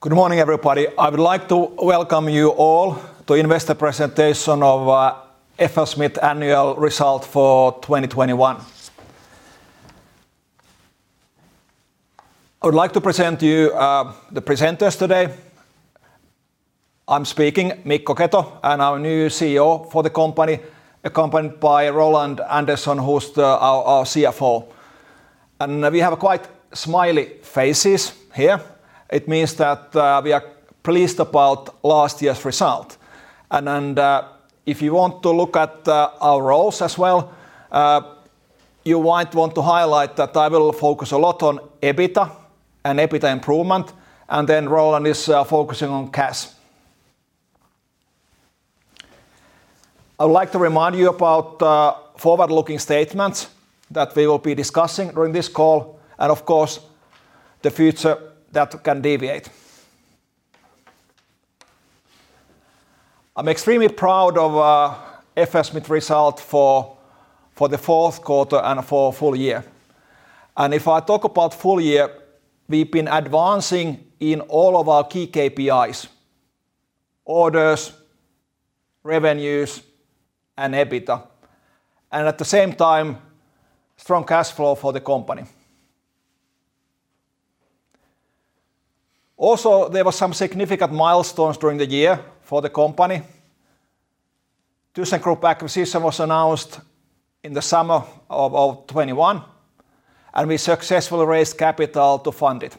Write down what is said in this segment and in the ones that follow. Good morning, everybody. I would like to welcome you all to investor presentation of FLSmidth annual result for 2021. I would like to present to you the presenters today. I'm Mikko Keto, I'm our new CEO for the company, accompanied by Roland M. Andersen, who's our CFO. We have quite smiley faces here. It means that we are pleased about last year's result. If you want to look at our roles as well, you might want to highlight that I will focus a lot on EBITDA and EBITDA improvement, and then Roland is focusing on cash. I'd like to remind you about forward-looking statements that we will be discussing during this call, and of course, the future that can deviate. I'm extremely proud of FLSmidth result for the fourth quarter and for full year. If I talk about full year, we've been advancing in all of our key KPIs: orders, revenues, and EBITDA, and at the same time, strong cash flow for the company. Also, there were some significant milestones during the year for the company. ThyssenKrupp acquisition was announced in the summer of 2021, and we successfully raised capital to fund it.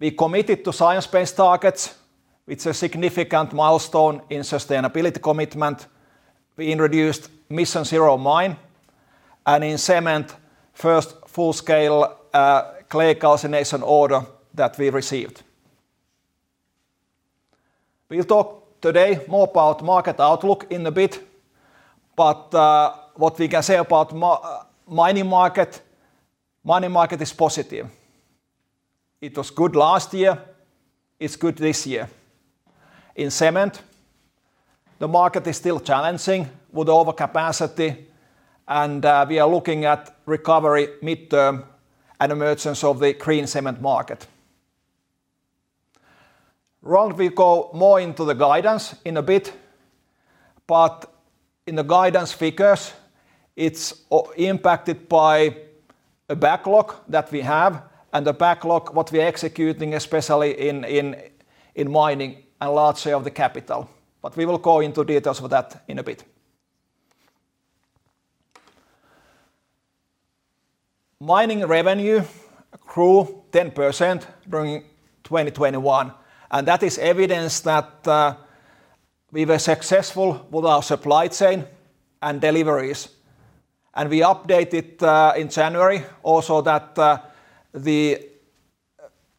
We committed to Science Based Targets. It's a significant milestone in sustainability commitment. We introduced MissionZero Mine, and in cement, first full-scale clay calcination order that we received. We'll talk today more about market outlook in a bit, but what we can say about mining market, mining market is positive. It was good last year; it's good this year. In cement, the market is still challenging with overcapacity, and we are looking at recovery mid-term and emergence of the green cement market. Roland will go more into the guidance in a bit, but in the guidance figures, it's impacted by a backlog that we have and the backlog what we're executing, especially in mining and large share of the capital, but we will go into details for that in a bit. Mining revenue grew 10% during 2021, and that is evidence that we were successful with our supply chain and deliveries. We updated in January also that the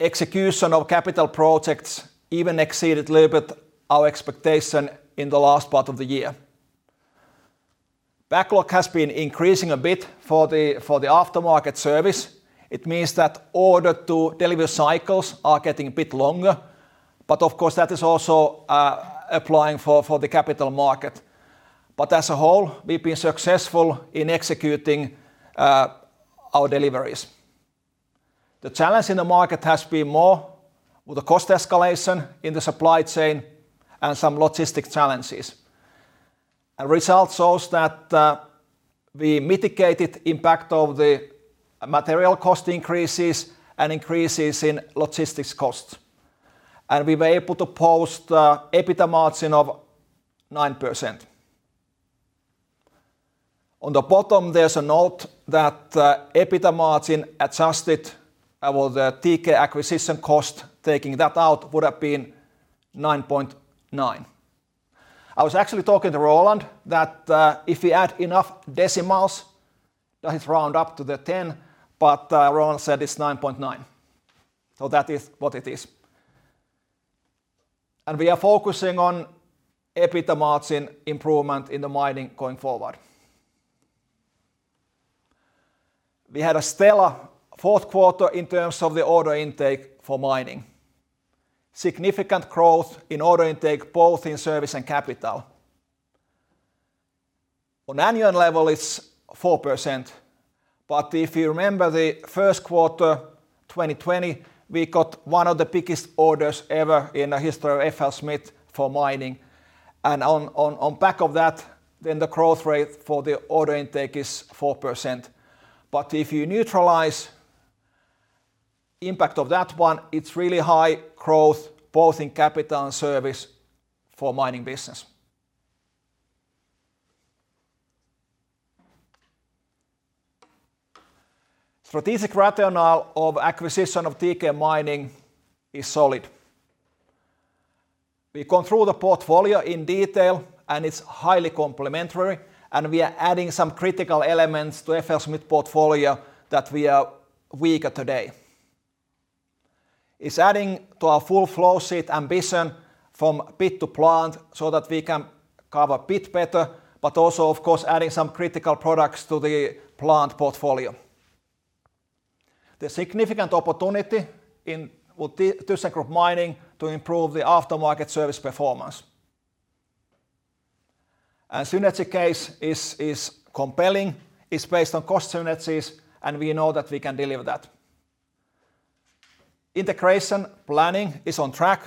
execution of capital projects even exceeded a little bit our expectation in the last part of the year. Backlog has been increasing a bit for the aftermarket service. It means that order-to-delivery cycles are getting a bit longer, but of course, that is also applying for the capital market. As a whole, we've been successful in executing our deliveries. The challenge in the market has been more with the cost escalation in the supply chain and some logistic challenges. Results show that we mitigated impact of the material cost increases and increases in logistics costs, and we were able to post EBITDA margin of 9%. On the bottom, there's a note that EBITDA margin adjusted for the TK acquisition cost, taking that out, would have been 9.9%. I was actually talking to Roland that if we add enough decimals, that is round up to the 10%, but Roland said it's 9.9%. That is what it is. We are focusing on EBITDA margin improvement in the mining going forward. We had a stellar fourth quarter in terms of the order intake for mining. Significant growth in order intake, both in service and capital. On annual level, it's 4%, but if you remember the first quarter 2020, we got one of the biggest orders ever in the history of FLSmidth for mining. On back of that, then the growth rate for the order intake is 4%. If you neutralize impact of that one, it's really high growth, both in capital and service for mining business. Strategic rationale of acquisition of TK Mining is solid. We've gone through the portfolio in detail, and it's highly complementary, and we are adding some critical elements to FLSmidth portfolio that we are weaker today. It's adding to our full flowsheet ambition from pit-to-plant, so that we can cover pit better, but also, of course, adding some critical products to the plant portfolio. The significant opportunity with ThyssenKrupp Mining to improve the aftermarket service performance. Synergy case is compelling, based on cost synergies, and we know that we can deliver that. Integration planning is on track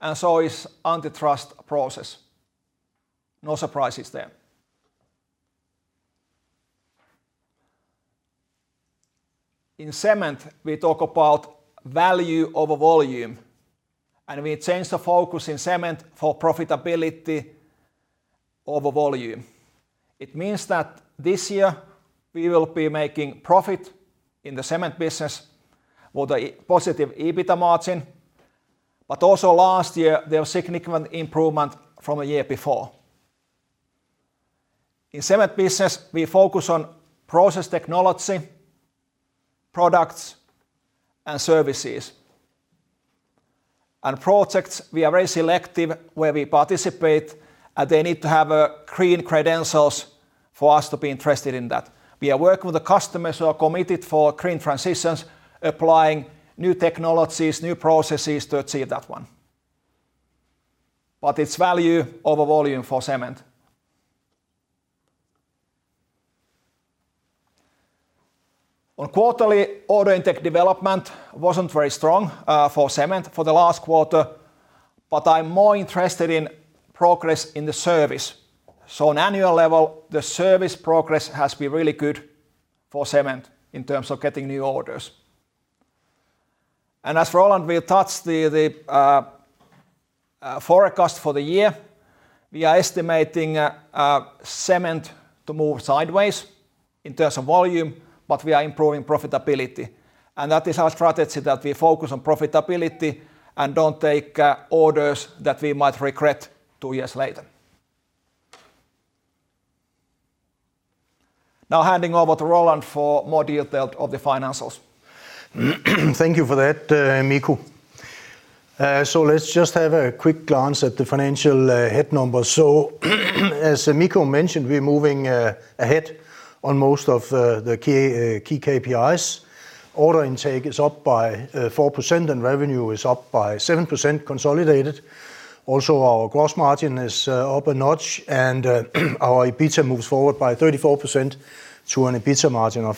and so is antitrust process. No surprises there. In Cement, we talk about value over volume, and we change the focus in Cement for profitability over volume. It means that this year we will be making profit in the Cement business with a positive EBITDA margin. Also last year, there was significant improvement from a year before. In Cement business, we focus on process technology, products, and services. On projects, we are very selective where we participate, and they need to have green credentials for us to be interested in that. We are working with the customers who are committed for green transitions, applying new technologies, new processes to achieve that one. It's value over volume for Cement. Quarterly order intake development wasn't very strong for Cement for the last quarter, but I'm more interested in progress in the service. On annual level, the service progress has been really good for Cement in terms of getting new orders. As Roland will touch the forecast for the year, we are estimating Cement to move sideways in terms of volume, but we are improving profitability. That is our strategy, that we focus on profitability and don't take orders that we might regret two years later. Now handing over to Roland for more detail of the financials. Thank you for that, Mikko. Let's just have a quick glance at the financial headline numbers. As Mikko mentioned, we're moving ahead on most of the key KPIs. Order intake is up by 4%, and revenue is up by 7% consolidated. Also, our gross margin is up a notch, and our EBITDA moves forward by 34% to an EBITDA margin of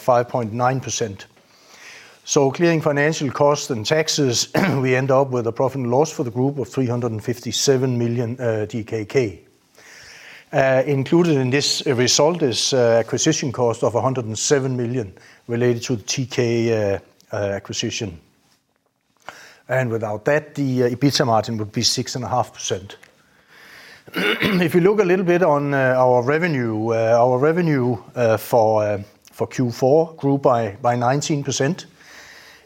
5.9%. Clearing financial costs and taxes, we end up with a profit and loss for the group of 357 million DKK. Included in this result is acquisition cost of 107 million related to TK acquisition. Without that, the EBITDA margin would be 6.5%. If you look a little bit on our revenue for Q4 grew by 19%.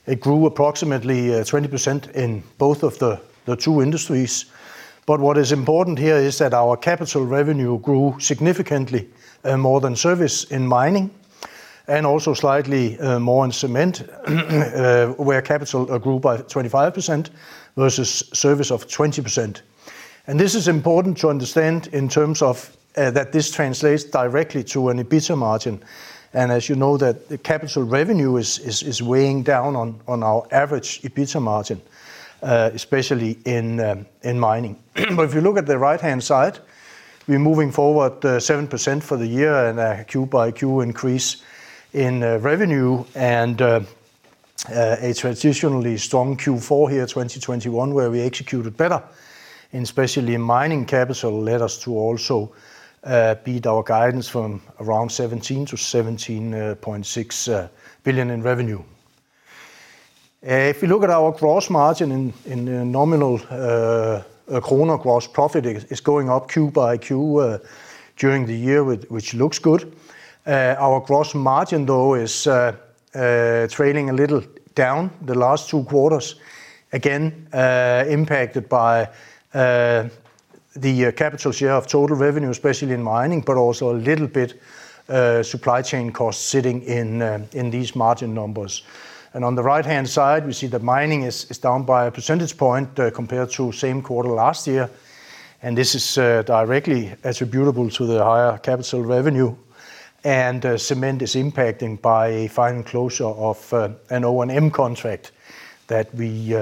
It grew approximately 20% in both of the two industries. But what is important here is that our capital revenue grew significantly more than service in Mining and also slightly more in Cement, where capital grew by 25% versus service of 20%. This is important to understand in terms of that this translates directly to an EBITDA margin. As you know that the capital revenue is weighing down on our average EBITDA margin, especially in Mining. If you look at the right-hand side, we're moving forward 7% for the year and a Q-by-Q increase in revenue and a traditionally strong Q4 here, 2021, where we executed better, and especially in Mining, capital led us to also beat our guidance from around 17 billion to 17.6 billion in revenue. If you look at our gross margin in nominal kroner, gross profit is going up Q-by-Q during the year, which looks good. Our gross margin, though, is trailing a little down the last two quarters, again impacted by the capital share of total revenue, especially in Mining, but also a little bit supply chain costs sitting in these margin numbers. On the right-hand side, we see that Mining is down by a percentage point compared to same quarter last year, and this is directly attributable to the higher capital revenue. Cement is impacted by final closure of an O&M contract that we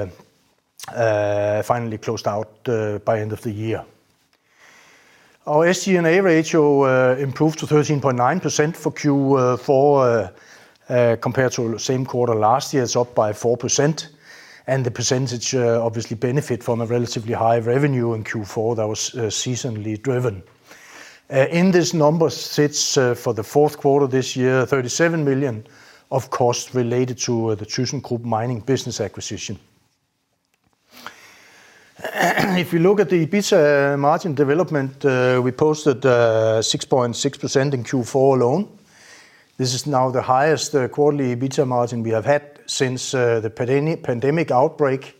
finally closed out by end of the year. Our SG&A ratio improved to 13.9% for Q4. Compared to same quarter last year, it's up by 4%. The percentage obviously benefit from a relatively high revenue in Q4 that was seasonally driven. In this number sits, for the fourth quarter this year, 37 million of costs related to the ThyssenKrupp Mining business acquisition. If we look at the EBITDA margin development, we posted 6.6% in Q4 alone. This is now the highest quarterly EBITDA margin we have had since the pandemic outbreak.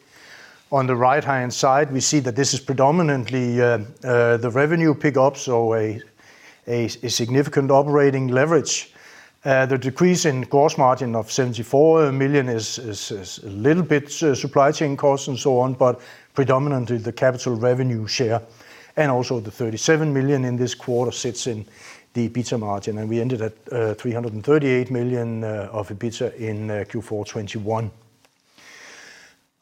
On the right-hand side, we see that this is predominantly the revenue pickup, so a significant operating leverage. The decrease in gross margin of 74 million is a little bit supply chain costs and so on, but predominantly the capital revenue share. Also the 37 million in this quarter sits in the EBITDA margin, and we ended at 338 million of EBITDA in Q4 2021.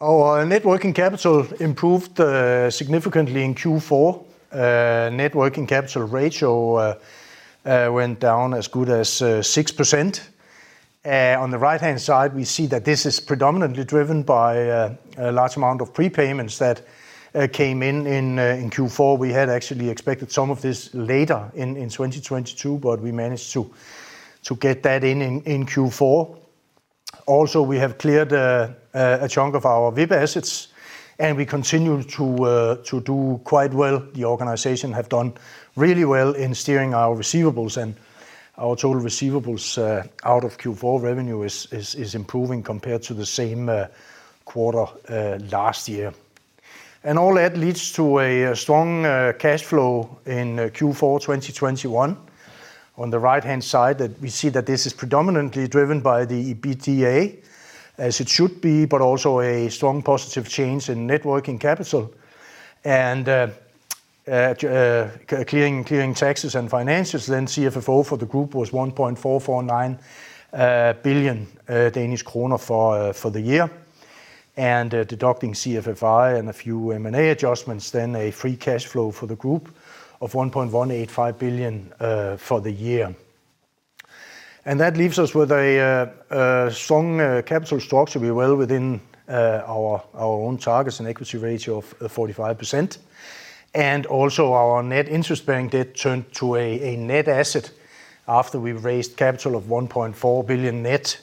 Our net working capital improved significantly in Q4. Net working capital ratio went down as good as 6%. On the right-hand side, we see that this is predominantly driven by a large amount of prepayments that came in in Q4. We had actually expected some of this later in 2022, but we managed to get that in Q4. Also, we have cleared a chunk of our WIP assets, and we continue to do quite well. The organization have done really well in steering our receivables, and our total receivables out of Q4 revenue is improving compared to the same quarter last year. All that leads to a strong cash flow in Q4 2021. On the right-hand side we see that this is predominantly driven by the EBITDA as it should be, but also a strong positive change in net working capital. Clearing taxes and financials, CFFO for the group was 1.449 billion Danish kroner for the year. Deducting CFFI and a few M&A adjustments, then a free cash flow for the group of 1.185 billion for the year. That leaves us with a strong capital structure. We're well within our own targets and equity ratio of 45%. Also our net interest-bearing debt turned to a net asset after we raised capital of 1.4 billion net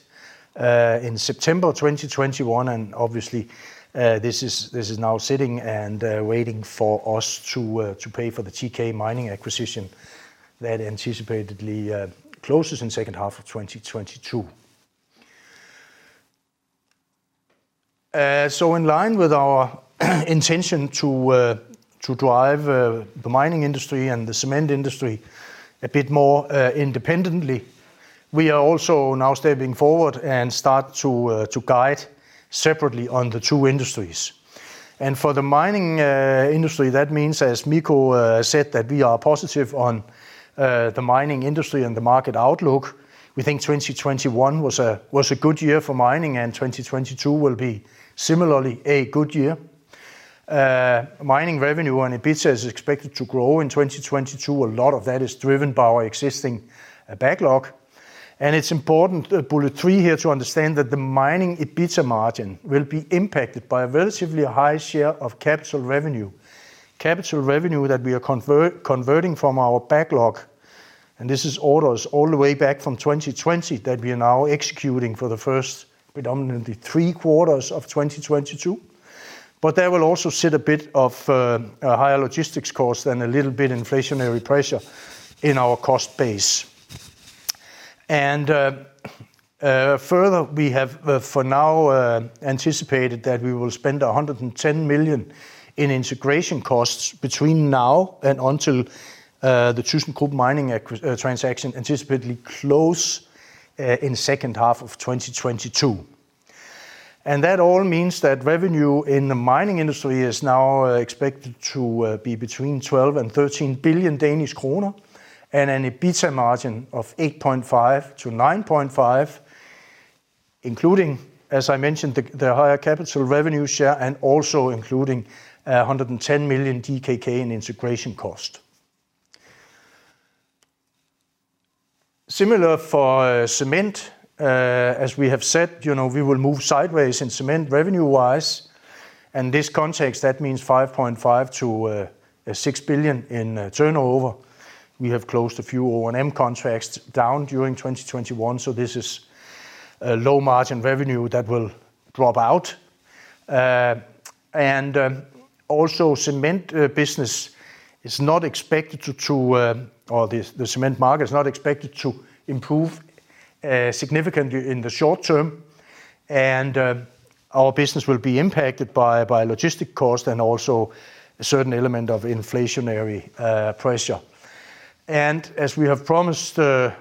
in September 2021. Obviously, this is now sitting and waiting for us to pay for the TK Mining acquisition that anticipatedly closes in second half of 2022. In line with our intention to drive the mining industry and the cement industry a bit more independently, we are also now stepping forward and start to guide separately on the two industries. For the mining industry, that means, as Mikko said, that we are positive on the mining industry and the market outlook. We think 2021 was a good year for mining, and 2022 will be similarly a good year. Mining revenue and EBITDA is expected to grow in 2022. A lot of that is driven by our existing backlog. It's important, bullet three here, to understand that the mining EBITDA margin will be impacted by a relatively high share of capital revenue. Capital revenue that we are converting from our backlog, and this is orders all the way back from 2020 that we are now executing for the first predominantly three quarters of 2022. There will also be a bit of a higher logistics cost and a little bit inflationary pressure in our cost base. Further, we have for now anticipated that we will spend 110 million in integration costs between now and until the ThyssenKrupp Mining transaction anticipatedly close in second half of 2022. That all means that revenue in the Mining industry is now expected to be between 12 billion and 13 billion Danish kroner and an EBITDA margin of 8.5%-9.5%, including, as I mentioned, the higher capital revenue share and also including 110 million DKK in integration cost. Similar for Cement, as we have said, you know, we will move sideways in Cement revenue-wise. In this context, that means 5.5 billion-6 billion in turnover. We have closed a few O&M contracts down during 2021, so this is a low-margin revenue that will drop out. Also the Cement market is not expected to improve significantly in the short term. Our business will be impacted by logistics costs and also a certain element of inflationary pressure. As we have promised, or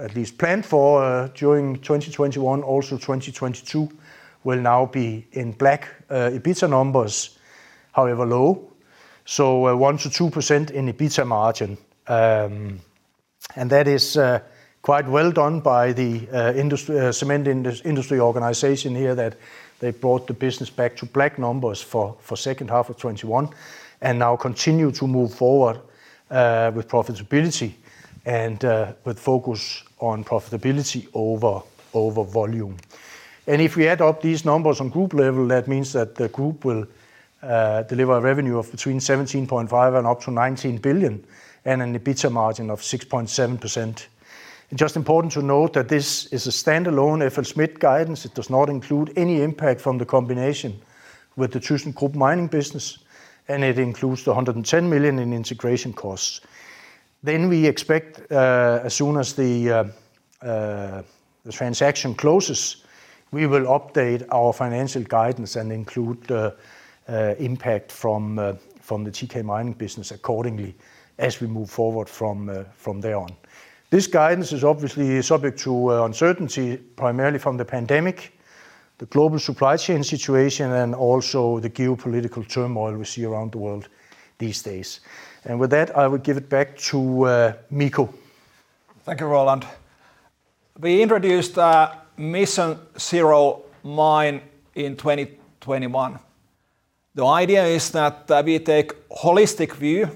at least planned for, during 2021, 2022 will now be in black EBITDA numbers, however low. 1%-2% in EBITDA margin. That is quite well done by the industry cement industry organization here that they brought the business back to black numbers for second half of 2021 and now continue to move forward with profitability and with focus on profitability over volume. If we add up these numbers on group level, that means that the group will deliver a revenue of between 17.5 billion and up to 19 billion and an EBITDA margin of 6.7%. Just important to note that this is a standalone FLSmidth guidance. It does not include any impact from the combination with the ThyssenKrupp mining business, and it includes 110 million in integration costs. We expect, as soon as the transaction closes, we will update our financial guidance and include impact from the TK Mining business accordingly as we move forward from there on. This guidance is obviously subject to uncertainty, primarily from the pandemic, the global supply chain situation, and also the geopolitical turmoil we see around the world these days. With that, I will give it back to Mikko. Thank you, Roland. We introduced MissionZero Mine in 2021. The idea is that we take holistic view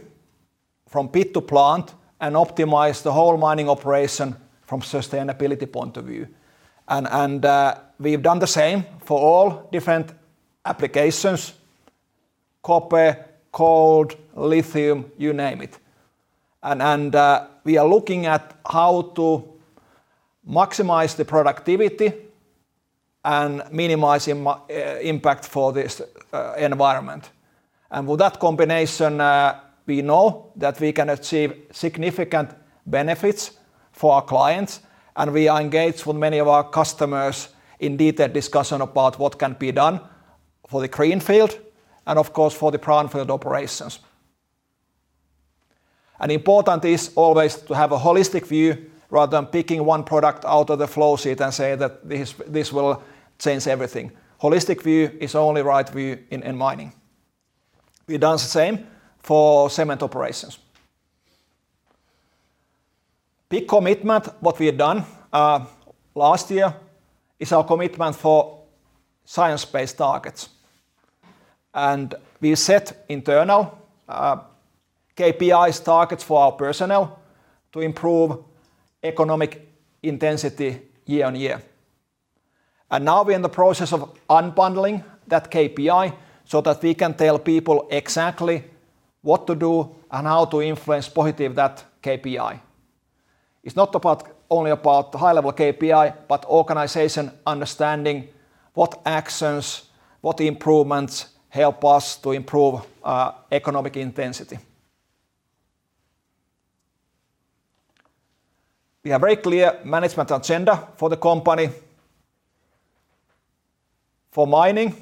from pit to plant and optimize the whole mining operation from sustainability point of view. We've done the same for all different applications, copper, gold, lithium, you name it. We are looking at how to maximize the productivity and minimize impact for this environment. With that combination, we know that we can achieve significant benefits for our clients, and we are engaged with many of our customers in detailed discussion about what can be done for the greenfield and of course for the brownfield operations. Important is always to have a holistic view rather than picking one product out of the flowsheet and say that this will change everything. Holistic view is the only right view in mining. We've done the same for cement operations. Big commitment. What we have done last year is our commitment for Science Based Targets. We set internal KPI targets for our personnel to improve economic intensity year on year. Now we're in the process of unbundling that KPI so that we can tell people exactly what to do and how to influence that KPI positively. It's not only about the high level KPI, but the organization understanding what actions, what improvements help us to improve economic intensity. We have very clear management agenda for the company. For mining,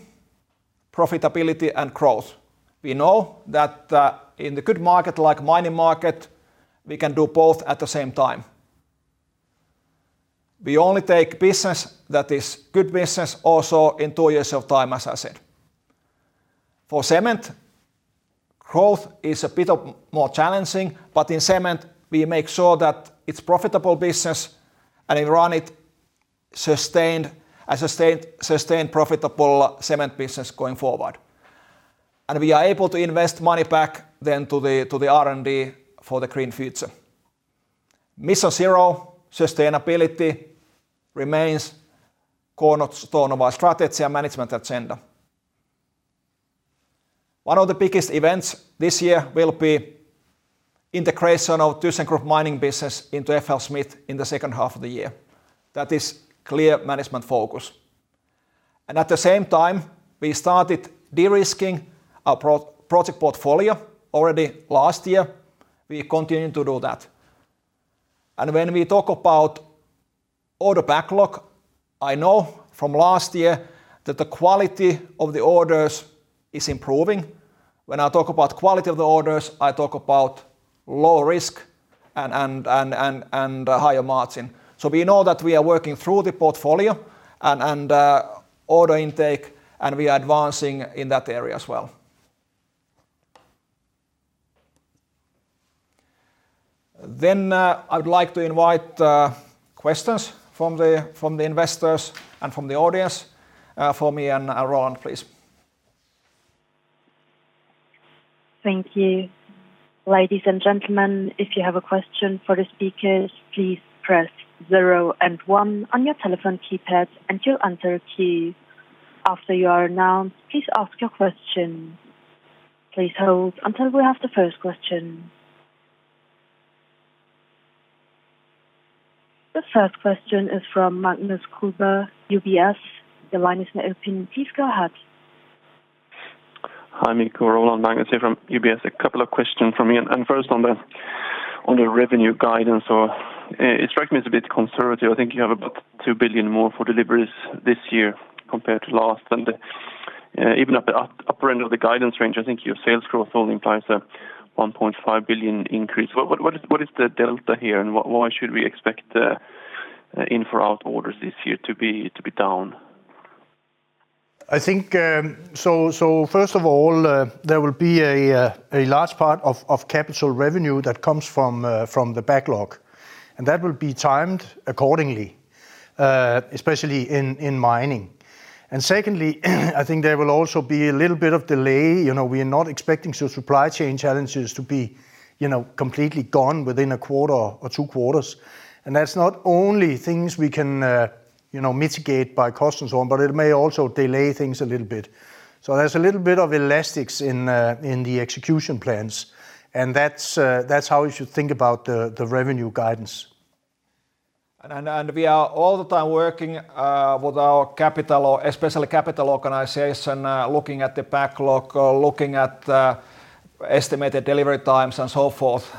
profitability, and growth. We know that in the good market like mining market, we can do both at the same time. We only take business that is good business also in two years of time, as I said. For cement, growth is a bit more challenging. In cement, we make sure that it's profitable business and run it sustained, a sustained profitable cement business going forward. We are able to invest money back then to the R&D for the green future. MissionZero sustainability remains cornerstone of our strategy and management agenda. One of the biggest events this year will be integration of ThyssenKrupp Mining business into FLSmidth in the second half of the year. That is clear management focus. At the same time, we started de-risking our project portfolio already last year. We continue to do that. When we talk about order backlog, I know from last year that the quality of the orders is improving. When I talk about quality of the orders, I talk about low risk and higher margin. We know that we are working through the portfolio and order intake, and we are advancing in that area as well. I would like to invite questions from the investors and from the audience for me and Roland, please. Thank you. Ladies and gentlemen, if you have a question for the speakers, please press 0 and 1 on your telephone keypad and your Enter key. After you are announced, please ask your question. Please hold until we have the first question. The first question is from Magnus Kruber, UBS. Your line is now open. Please go ahead. Hi, Mikko, Roland. Magnus here from UBS. A couple of questions from me. First on the revenue guidance. It strikes me as a bit conservative. I think you have about 2 billion more for deliveries this year compared to last. Even at the upper end of the guidance range, I think your sales growth only implies a 1.5 billion increase. What is the delta here, and why should we expect the inflow of orders this year to be down? I think first of all, there will be a large part of capital revenue that comes from the backlog, and that will be timed accordingly, especially in mining. Secondly, I think there will also be a little bit of delay. You know, we are not expecting supply chain challenges to be, you know, completely gone within a quarter or two quarters. That's not only things we can, you know, mitigate by cost and so on, but it may also delay things a little bit. There's a little bit of elasticity in the execution plans, and that's how you should think about the revenue guidance. We are all the time working with our capital or especially capital organization looking at the backlog or looking at estimated delivery times and so forth.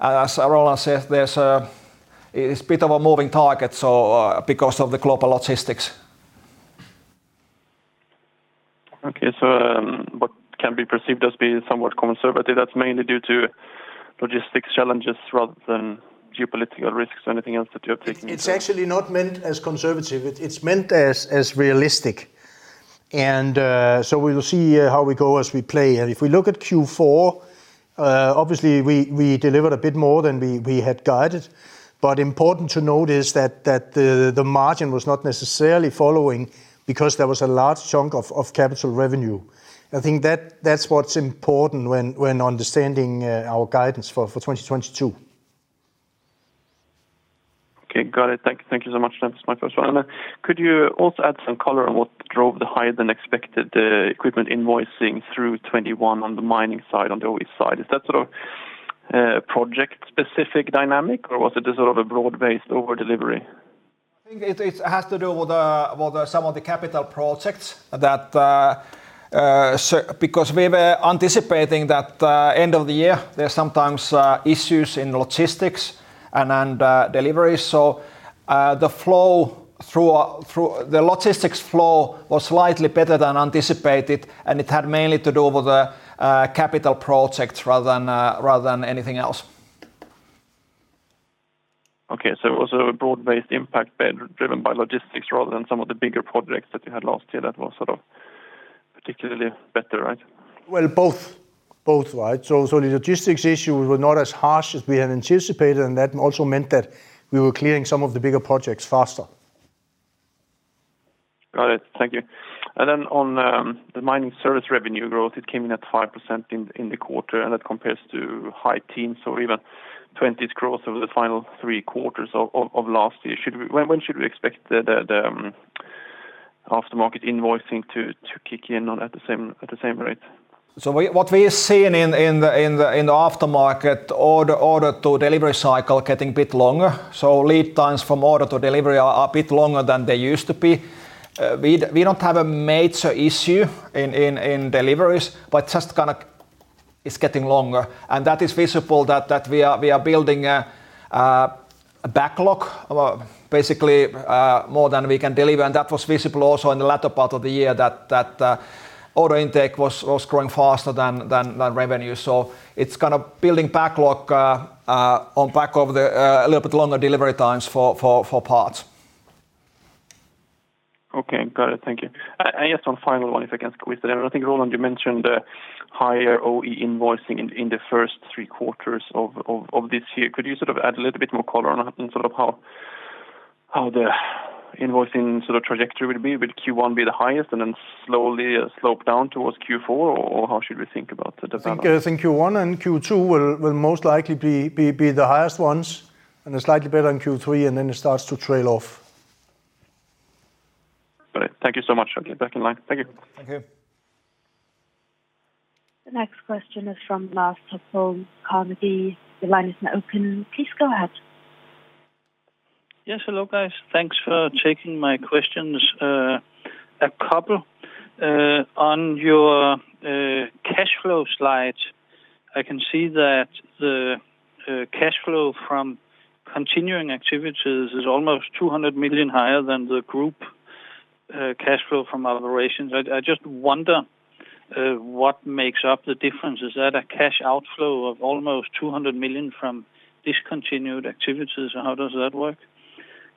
As Roland said, there's it's a bit of a moving target, so because of the global logistics. What can be perceived as being somewhat conservative, that's mainly due to logistics challenges rather than geopolitical risks or anything else that you have taken into- It's actually not meant as conservative. It's meant as realistic. We will see how we go as we play. If we look at Q4, obviously we delivered a bit more than we had guided. Important to note is that the margin was not necessarily following because there was a large chunk of capital revenue. I think that's what's important when understanding our guidance for 2022. Okay. Got it. Thank you so much. That was my first one. Could you also add some color on what drove the higher than expected equipment invoicing through 2021 on the mining side, on the OEM side? Is that sort of project specific dynamic, or was it a sort of a broad-based over-delivery? I think it has to do with some of the capital projects because we were anticipating that end of the year there's sometimes issues in logistics and delivery. The logistics flow was slightly better than anticipated, and it had mainly to do with capital projects rather than anything else. Okay. It was a broad-based impact being driven by logistics rather than some of the bigger projects that you had last year that was sort of particularly better, right? Well, both, right. The logistics issues were not as harsh as we had anticipated, and that also meant that we were clearing some of the bigger projects faster. Got it. Thank you. Then on the mining service revenue growth, it came in at 5% in the quarter, and that compares to high teens or even twenties growth over the final three quarters of last year. When should we expect the aftermarket invoicing to kick in at the same rate? What we've seen in the aftermarket order to delivery cycle getting a bit longer. Lead times from order to delivery are a bit longer than they used to be. We don't have a major issue in deliveries, but just kinda it's getting longer. That is visible that we are building a backlog of basically more than we can deliver. That was visible also in the latter part of the year that order intake was growing faster than revenue. It's kind of building backlog on back of the a little bit longer delivery times for parts. Okay. Got it. Thank you. And just one final one, if I can squeeze it in. I think, Roland, you mentioned higher OEM invoicing in the first three quarters of this year. Could you sort of add a little bit more color on sort of how the invoicing sort of trajectory will be? Will Q1 be the highest and then slowly slope down towards Q4, or how should we think about the development? I think Q1 and Q2 will most likely be the highest ones, and slightly better in Q3, and then it starts to trail off. Got it. Thank you so much. I'll get back in line. Thank you. Thank you. The next question is from Lars Topholm, Carnegie. The line is now open. Please go ahead. Yes. Hello, guys. Thanks for taking my questions. A couple on your cash flow slide, I can see that the cash flow from continuing activities is almost 200 million higher than the group cash flow from operations. I just wonder what makes up the difference. Is that a cash outflow of almost 200 million from discontinued activities? How does that work?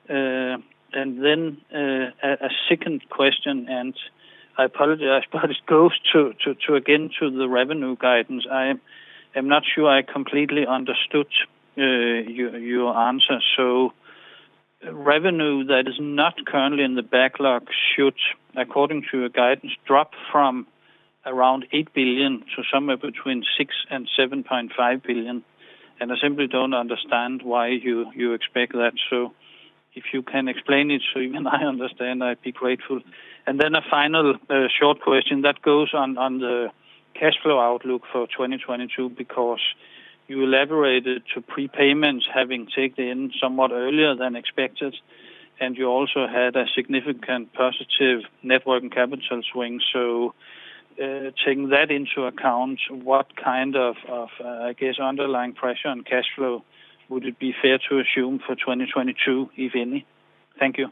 And then a second question, and I apologize, but it goes to again to the revenue guidance. I am not sure I completely understood your answer. Revenue that is not currently in the backlog should, according to your guidance, drop from around 8 billion to somewhere between 6 billion and 7.5 billion, and I simply don't understand why you expect that. If you can explain it so even I understand, I'd be grateful. Then a final short question that goes on the cash flow outlook for 2022, because you elaborated on prepayments having ticked in somewhat earlier than expected, and you also had a significant positive net working capital swing. Taking that into account, what kind of I guess underlying pressure on cash flow would it be fair to assume for 2022, if any? Thank you.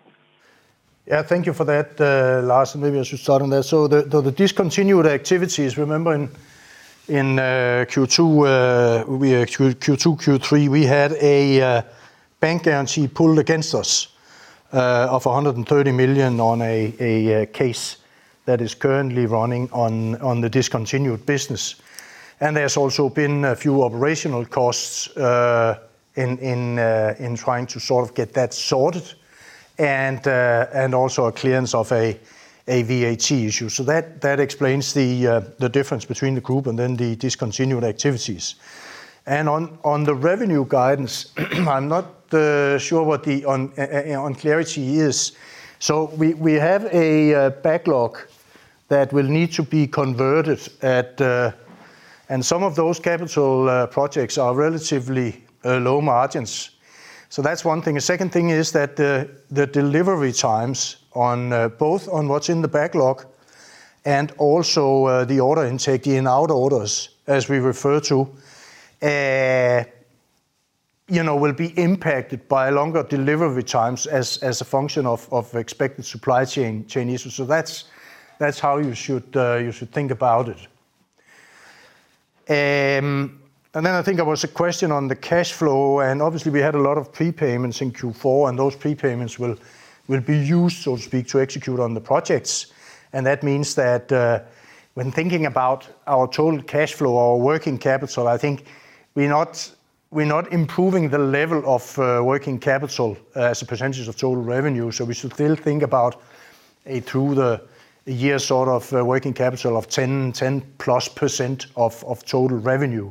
Yeah. Thank you for that, Lars. Maybe I should start on that. The discontinued activities, remember in Q2, Q3, we had a bank guarantee pulled against us of 130 million on a case that is currently running on the discontinued business. There's also been a few operational costs in trying to sort of get that sorted and also a clearance of a VAT issue. That explains the difference between the group and the discontinued activities. On the revenue guidance, I'm not sure what the uncertainty is. We have a backlog that will need to be converted at. Some of those capital projects are relatively low margins. That's one thing. The second thing is that the delivery times on both what's in the backlog and also the order intake in our orders, as we refer to, you know, will be impacted by longer delivery times as a function of expected supply chain issues. That's how you should think about it. Then I think there was a question on the cash flow, and obviously we had a lot of prepayments in Q4, and those prepayments will be used, so to speak, to execute on the projects. That means that, when thinking about our total cash flow, our working capital, I think we're not improving the level of working capital as a percentage of total revenue. We should still think about a through the year sort of working capital of 10-10+% of total revenue.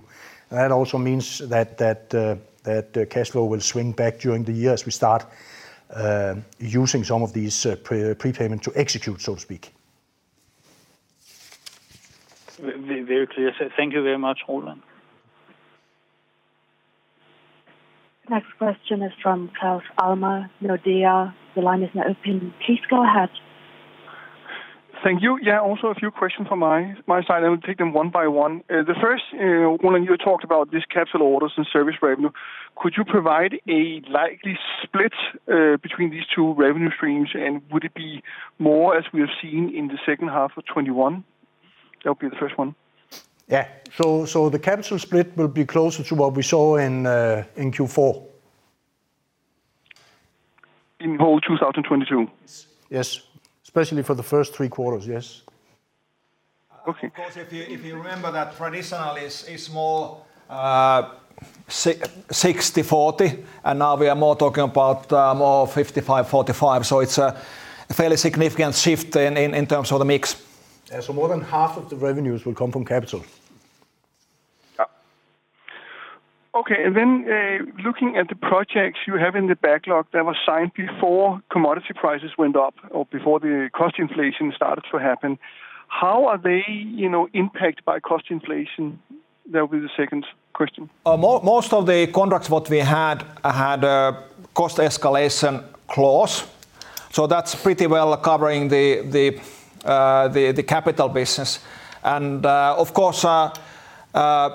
That also means that cash flow will swing back during the year as we start using some of these prepayment to execute, so to speak. Very clear. Thank you very much, Roland. Next question is from Claus Almer, Nordea. The line is now open. Please go ahead. Thank you. Yeah, also a few questions from my side. I will take them one by one. The first one, you talked about this capital orders and service revenue. Could you provide a likely split between these two revenue streams? And would it be more as we have seen in the second half of 2021? That'll be the first one. The capital split will be closer to what we saw in Q4. In whole 2022? Yes. Especially for the first three quarters, yes. Okay. Of course, if you remember that traditionally is more 60/40, and now we are more talking about more 55/45, so it's a fairly significant shift in terms of the mix. More than half of the revenues will come from capital. Yeah. Okay. Looking at the projects you have in the backlog that was signed before commodity prices went up or before the cost inflation started to happen, how are they, you know, impacted by cost inflation? That will be the second question. Most of the contracts that we had had a cost escalation clause. That's pretty well covering the capital business. Of course,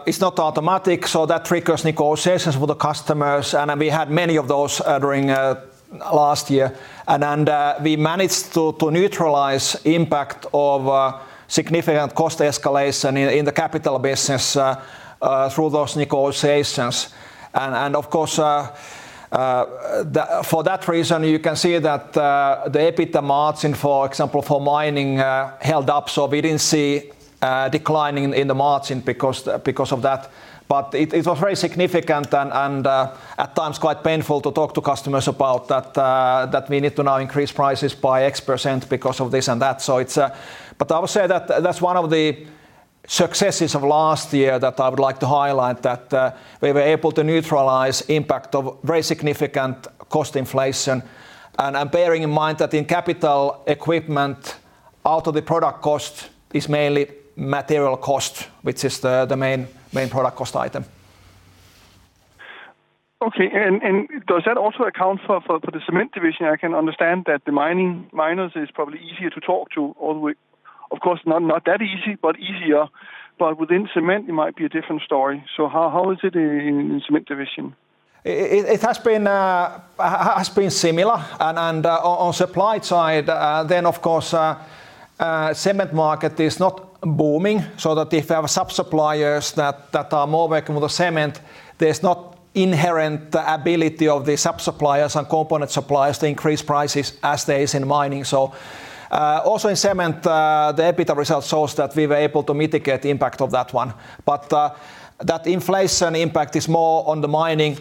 it's not automatic, so that triggers negotiations with the customers and then we had many of those during last year. We managed to neutralize impact of significant cost escalation in the capital business through those negotiations. Of course, for that reason, you can see that the EBITDA margin, for example, for Mining, held up. We didn't see declining in the margin because of that. It was very significant and at times quite painful to talk to customers about that we need to now increase prices by X% because of this and that. I would say that that's one of the successes of last year that I would like to highlight that we were able to neutralize impact of very significant cost inflation. I'm bearing in mind that in capital equipment, 80% of the product cost is mainly material cost, which is the main product cost item. Okay. Does that also account for the Cement Division? I can understand that the miners is probably easier to talk to all the way. Of course, not that easy, but easier. Within Cement, it might be a different story. How is it in the Cement Division? It has been similar. On supply side, then of course, cement market is not booming, so that if they have sub-suppliers that are more working with the cement, there's not inherent ability of the sub-suppliers and component suppliers to increase prices as there is in mining. Also in cement, the EBITDA results shows that we were able to mitigate the impact of that one. That inflation impact is more on the mining,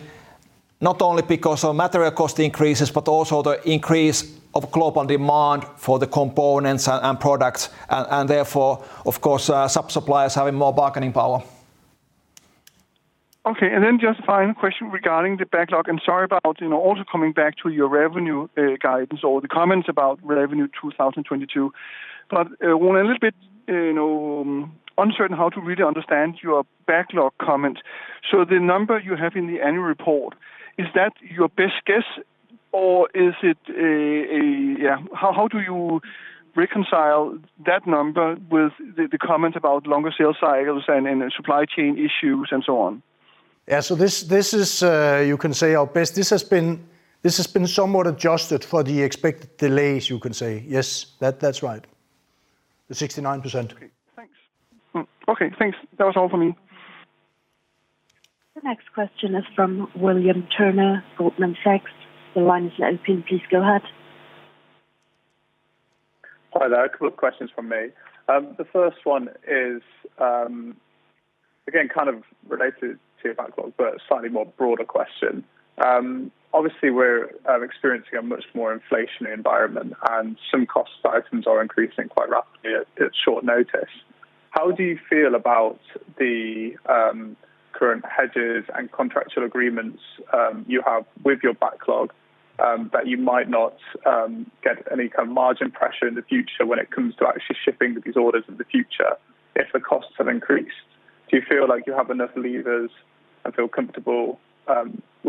not only because of material cost increases, but also the increase of global demand for the components and products, and therefore of course, sub-suppliers having more bargaining power. Okay. Just final question regarding the backlog, and sorry about, you know, also coming back to your revenue guidance or the comments about revenue 2022. We're a little bit, you know, uncertain how to really understand your backlog comment. The number you have in the annual report, is that your best guess or is it a? Yeah, how do you reconcile that number with the comment about longer sales cycles and supply chain issues and so on? Yeah. This is, you can say, our best. This has been somewhat adjusted for the expected delays, you can say. Yes. That's right. 69%. Okay. Thanks. Okay, thanks. That was all for me. The next question is from William Turner, Goldman Sachs. The line is now open. Please go ahead. Hi there. A couple of questions from me. The first one is, again, kind of related to your backlog, but a slightly more broader question. Obviously, we're experiencing a much more inflationary environment, and some cost items are increasing quite rapidly at short notice. How do you feel about the current hedges and contractual agreements you have with your backlog, that you might not get any kind of margin pressure in the future when it comes to actually shipping these orders in the future if the costs have increased? Do you feel like you have enough levers and feel comfortable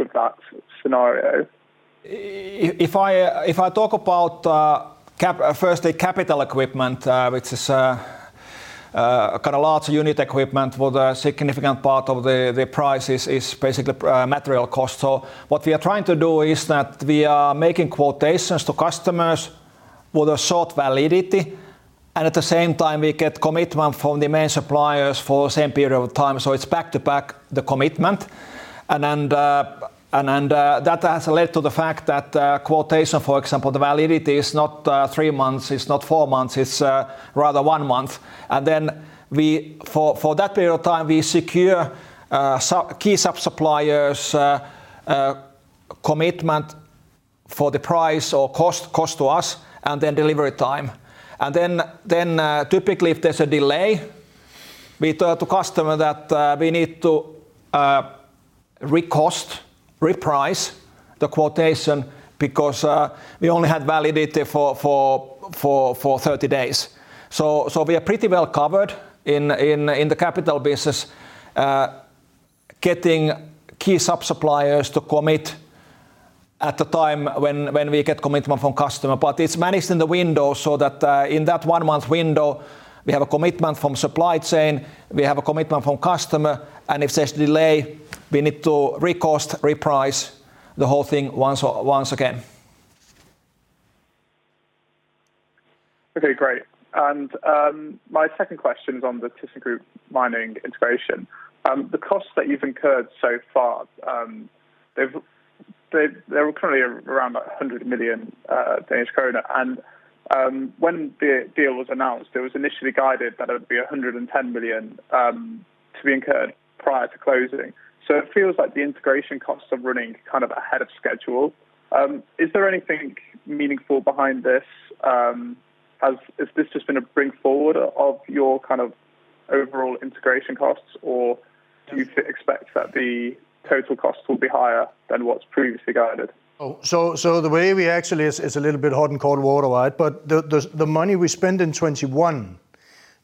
with that scenario? If I talk about firstly capital equipment, which is kind of large unit equipment for the significant part of the price is basically material cost. What we are trying to do is that we are making quotations to customers with a short validity, and at the same time we get commitment from the main suppliers for same period of time, so it's back to back the commitment. Then that has led to the fact that quotation, for example, the validity is not three months, it's not four months, it's rather one month. Then we for that period of time, we secure sub-suppliers commitment for the price or cost to us, and then delivery time. Typically, if there's a delay, we tell the customer that we need to recost, reprice the quotation because we only had validity for 30 days. We are pretty well covered in the capital business, getting key sub-suppliers to commit at the time when we get commitment from the customer. It's managed in the window so that, in that one-month window, we have a commitment from supply chain, we have a commitment from the customer, and if there's delay, we need to recost, reprice the whole thing once again. Okay, great. My second question is on the ThyssenKrupp Mining integration. The costs that you've incurred so far, they were currently around 100 million Danish krone. When the deal was announced, it was initially guided that it would be 110 million to be incurred prior to closing. It feels like the integration costs are running kind of ahead of schedule. Is there anything meaningful behind this? Is this just been a bring forward of your kind of overall integration costs? Or do you expect that the total costs will be higher than what's previously guided? Oh, the way we actually is a little bit hot and cold worldwide, but the money we spend in 2021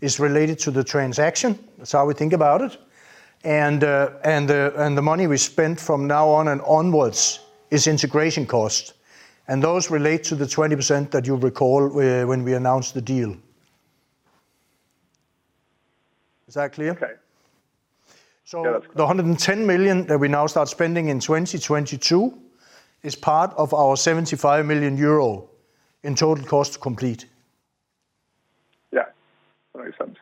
is related to the transaction. That's how we think about it. The money we spend from now on and onwards is integration cost. Those relate to the 20% that you recall when we announced the deal. Is that clear? Okay. Yeah, that's clear. The 110 million that we now start spending in 2022 is part of our 75 million euro in total cost to complete. Yeah. Makes sense.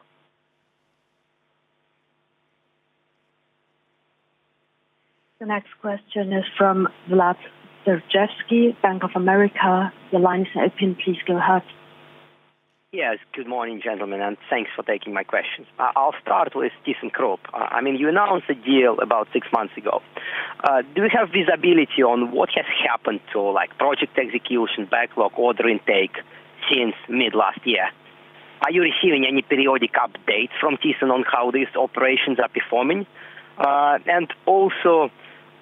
The next question is from Vladimir Sergievskiy, Bank of America. Your line is open. Please go ahead. Yes. Good morning, gentlemen, and thanks for taking my questions. I'll start with ThyssenKrupp. I mean, you announced the deal about six months ago. Do we have visibility on what has happened to, like, project execution, backlog order intake since mid last year? Are you receiving any periodic updates from Thyssen on how these operations are performing?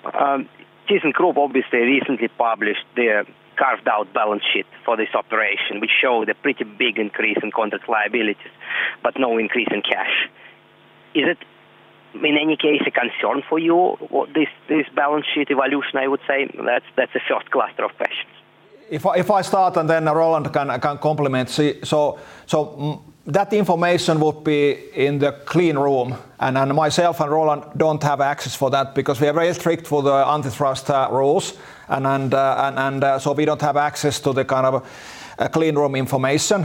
And also, ThyssenKrupp obviously recently published their carved-out balance sheet for this operation, which showed a pretty big increase in contract liabilities, but no increase in cash. Is it in any case a concern for you, what this balance sheet evolution, I would say? That's the first cluster of questions. If I start, and then Roland can complement. That information would be in the clean room, and myself and Roland don't have access to that because we are very strict on the antitrust rules. So we don't have access to the kind of clean room information.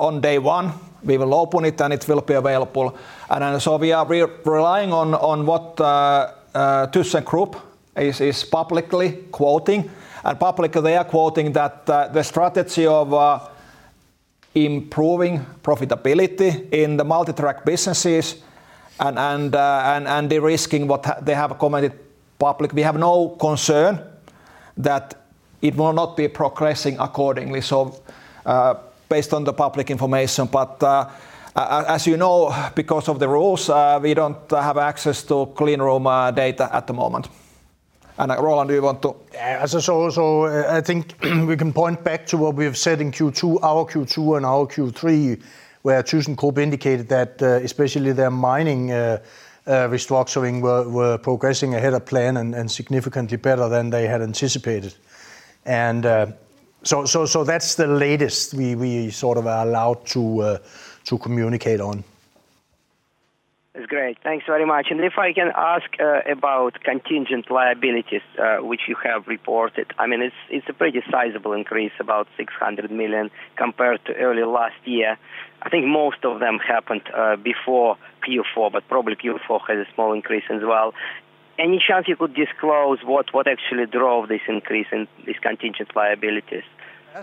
On day one, we will open it, and it will be available. So we are relying on what ThyssenKrupp is publicly quoting. Publicly they are quoting that the strategy of improving profitability in the multi-track businesses and de-risking what they have commented publicly. We have no concern that it will not be progressing accordingly, based on the public information. As you know, because of the rules, we don't have access to clean room data at the moment. Roland, do you want to? I think we can point back to what we have said in Q2 and Q3, where ThyssenKrupp indicated that especially their mining restructuring were progressing ahead of plan and significantly better than they had anticipated. That's the latest we sort of are allowed to communicate on. That's great. Thanks very much. If I can ask about contingent liabilities which you have reported. I mean, it's a pretty sizable increase, about 600 million compared to early last year. I think most of them happened before Q4, but probably Q4 has a small increase as well. Any chance you could disclose what actually drove this increase in these contingent liabilities?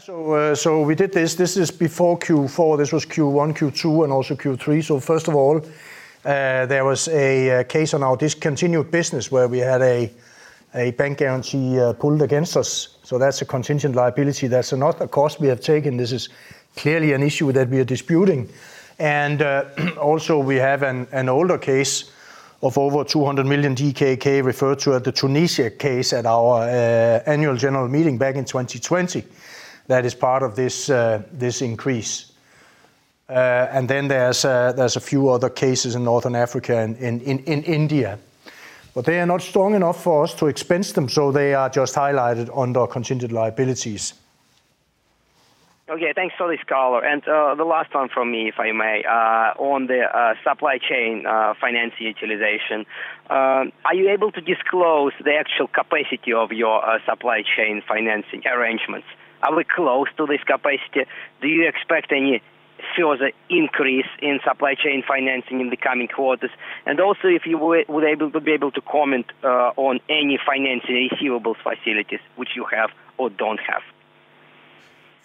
We did this. This is before Q4. This was Q1, Q2, and also Q3. First of all, there was a case on our discontinued business where we had a bank guarantee pulled against us, so that's a contingent liability. That's not a cost we have taken. This is clearly an issue that we are disputing. We have an older case of over 200 million DKK referred to as the Tunisia case at our annual general meeting back in 2020. That is part of this increase. There are a few other cases in Northern Africa and in India. They are not strong enough for us to expense them, so they are just highlighted under contingent liabilities. Okay. Thanks for the color. The last one from me, if I may. On the supply chain financing utilization, are you able to disclose the actual capacity of your supply chain financing arrangements? Are we close to this capacity? Do you expect any further increase in supply chain financing in the coming quarters? Also if you would be able to comment on any financing receivables facilities which you have or don't have.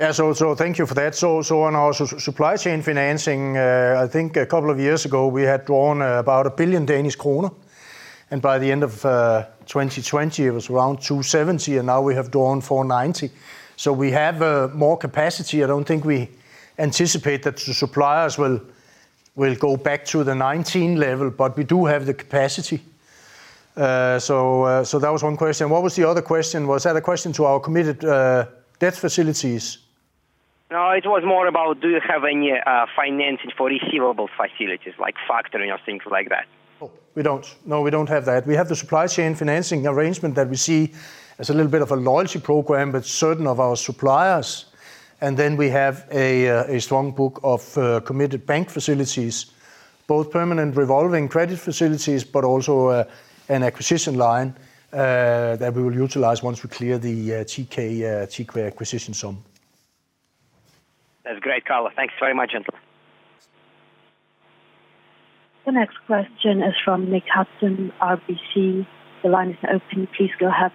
Yeah. Thank you for that. On our supply chain financing, I think a couple of years ago we had drawn about 1 billion Danish kroner. By the end of 2020, it was around 270 million, and now we have drawn 490 million. We have more capacity. I don't think we anticipate that the suppliers will go back to the 2019 level, but we do have the capacity. That was one question. What was the other question? Was that a question to our committed debt facilities? No, it was more about do you have any financing for receivable facilities like factoring or things like that? Oh, we don't. No, we don't have that. We have the supply chain financing arrangement that we see as a little bit of a loyalty program with certain of our suppliers. Then we have a strong book of committed bank facilities, both permanent revolving credit facilities, but also an acquisition line that we will utilize once we clear the TK acquisition sum. That's great, Roland. Thanks very much indeed. The next question is from Dominic Hudson, RBC. The line is now open. Please go ahead.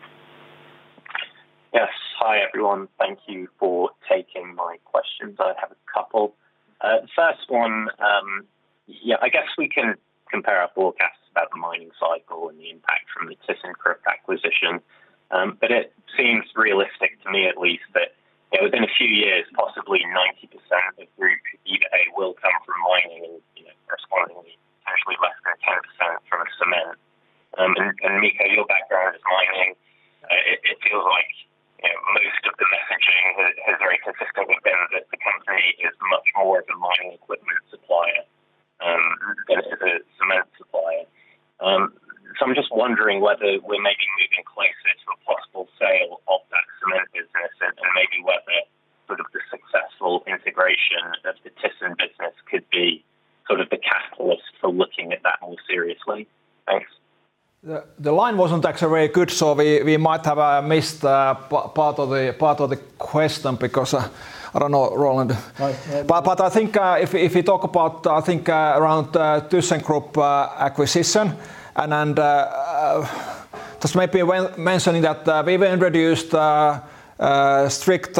Yes. Hi, everyone. Thank you for taking my questions. I have a couple. First one, I guess we can compare our forecasts about the mining cycle and the impact from the ThyssenKrupp acquisition. It seems realistic to me at least that, you know, within a few years, possibly 90% of Group EBITA will come from Mining and, you know, correspondingly potentially less than 10% from Cement. Mikko, your background is Mining. It feels like, you know, most of the messaging has very consistently been that the company is much more of a Mining equipment supplier than it is a Cement supplier. I'm just wondering whether we're making movement closer to a possible sale of that cement business and maybe whether sort of the successful integration of the ThyssenKrupp business could be sort of the catalyst for looking at that more seriously. Thanks. The line wasn't actually very good, so we might have missed part of the question because I don't know, Roland. Right. Yeah. I think if we talk about I think around ThyssenKrupp acquisition and just maybe when mentioning that we've introduced strict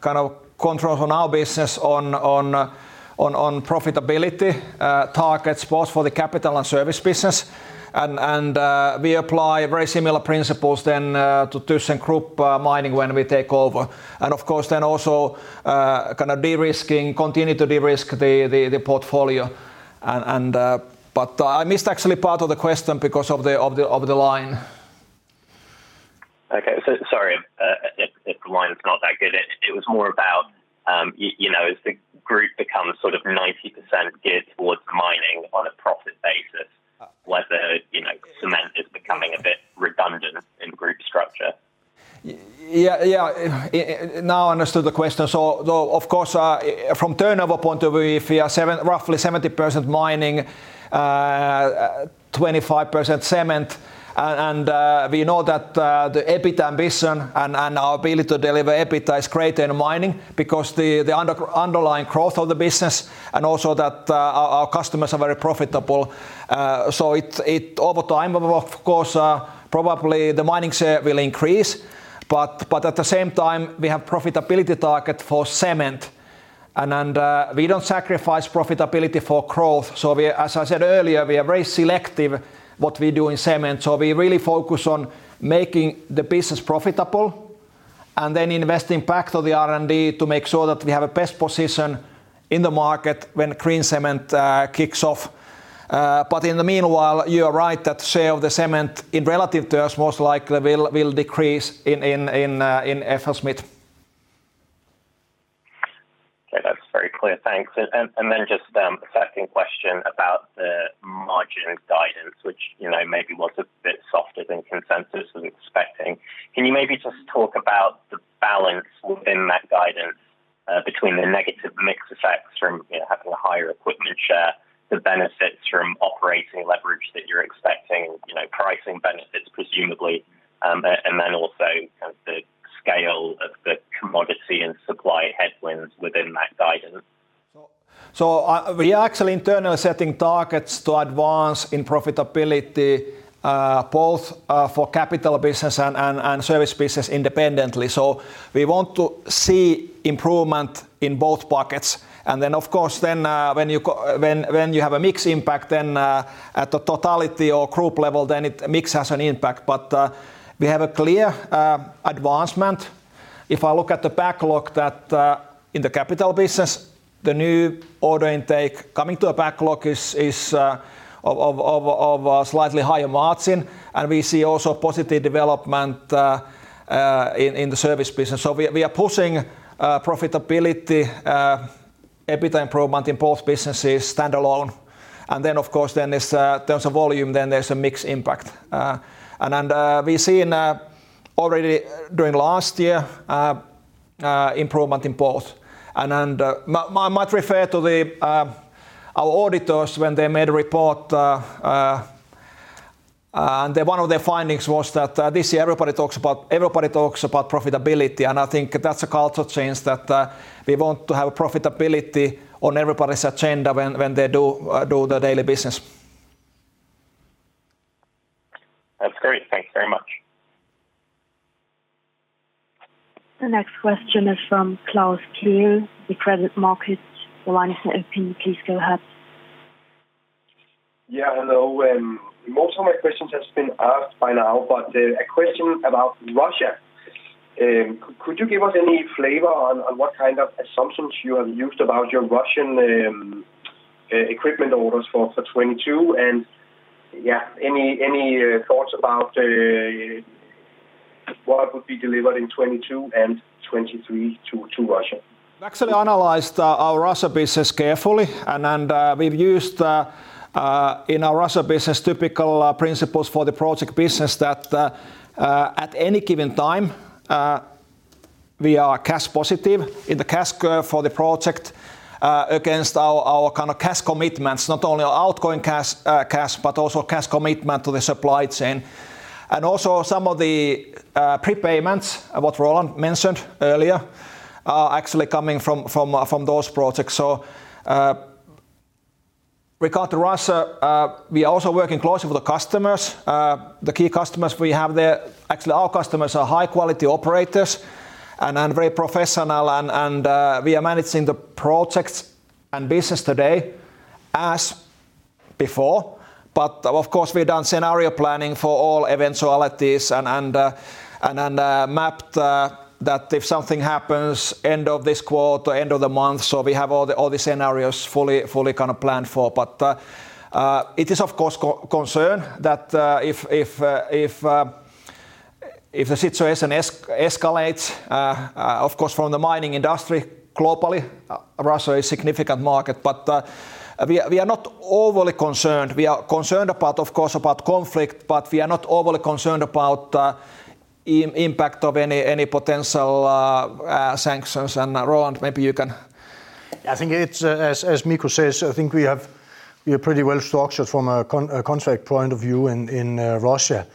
kind of controls on our business on profitability targets both for the capital and service business. We apply very similar principles then to ThyssenKrupp Mining when we take over. Of course then also kind of de-risking, continue to de-risk the portfolio. But I missed actually part of the question because of the line. Okay. Sorry if the line's not that good. It was more about, you know, as the group becomes sort of 90% geared towards mining on a profit basis, whether, you know, cement is becoming a bit redundant in group structure. Now I understood the question. Though, of course, from turnover point of view, if we are roughly 70% mining, 25% cement, and we know that the EBITDA ambition and our ability to deliver EBITDA is greater in mining because the underlying growth of the business and also that our customers are very profitable. It over time, of course, probably the mining share will increase. At the same time, we have profitability target for cement, and we don't sacrifice profitability for growth. We, as I said earlier, are very selective what we do in cement. We really focus on making the business profitable and then investing back to the R&D to make sure that we have a best position in the market when green cement kicks off. In the meanwhile, you are right that share of the cement in relative terms most likely will decrease in FLSmidth. Okay. That's very clear. Thanks. Then just a second question about the margin guidance, which, you know, maybe was a bit softer than consensus was expecting. Can you maybe just talk about the balance within that guidance, between the negative mix effects from, you know, having a higher equipment share, the benefits from operating leverage that you're expecting, you know, pricing benefits presumably, and then also kind of the scale of the commodity and supply headwinds within that guidance? We are actually internally setting targets to advance in profitability, both for capital business and service business independently. We want to see improvement in both pockets. When you have a mix impact then, at the totality or group level, then mix has an impact. We have a clear advancement. If I look at the backlog in the capital business, the new order intake coming to a backlog is of slightly higher margin. We see also positive development in the service business. We are pushing profitability EBITDA improvement in both businesses standalone. There's volume, then there's a mix impact. We see already during last year improvement in both. Might refer to our auditors when they made a report. One of their findings was that this year everybody talks about profitability, and I think that's a culture change that we want to have profitability on everybody's agenda when they do their daily business. That's great. Thank you very much. The next question is from Klaus Kehl, Nykredit Markets. Your line is now open. Please go ahead. Yeah. Hello. Most of my questions has been asked by now, but a question about Russia. Could you give us any flavor on what kind of assumptions you have used about your Russian equipment orders for 2022? And, yeah, any thoughts about what would be delivered in 2022 and 2023 to Russia? We actually analyzed our Russia business carefully and we've used in our Russia business typical principles for the project business that at any given time we are cash positive in the cash curve for the project against our kind of cash commitments, not only outgoing cash, but also cash commitment to the supply chain. Some of the prepayments what Roland mentioned earlier are actually coming from those projects. Regarding Russia, we are also working closely with the customers. The key customers we have there. Our customers are high quality operators and very professional and we are managing the projects and business today as before. Of course, we've done scenario planning for all eventualities and mapped that if something happens end of this quarter, end of the month, so we have all the scenarios fully kind of planned for. It is, of course, concern that if the situation escalates, of course, from the mining industry globally, Russia is significant market. We are not overly concerned. We are concerned about, of course, about conflict, but we are not overly concerned about impact of any potential sanctions. Roland, maybe you can I think it's as Mikko says. I think we are pretty well structured from a contract point of view in Russia.